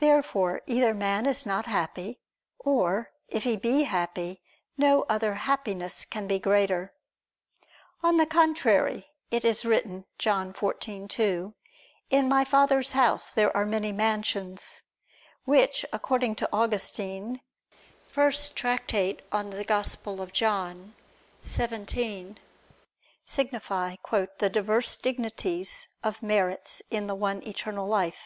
Therefore either man is not happy; or, if he be happy, no other Happiness can be greater. On the contrary, It is written (John 14:2): "In My Father's house there are many mansions"; which, according to Augustine (Tract. lxvii in Joan.) signify "the diverse dignities of merits in the one eternal life."